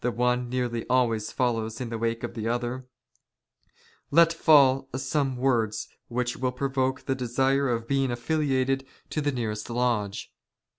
75 '* nearly always follows in the wake of the otherj, let fall some " words from you, which will provoke the desire of being affiliated " to the nearest lodge.